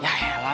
sam sam sam